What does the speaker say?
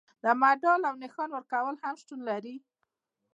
د مډال او نښان ورکول هم شتون لري.